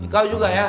kau juga ya